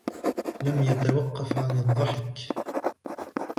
لم يتوقف عن الضحك.